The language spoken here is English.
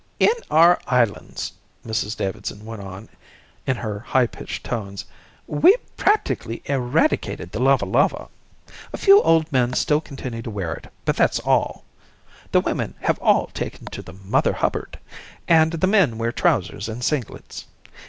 "In our islands," Mrs Davidson went on in her high pitched tones, "we've practically eradicated the lava lava. A few old men still continue to wear it, but that's all. The women have all taken to the Mother Hubbard, and the men wear trousers and singlets.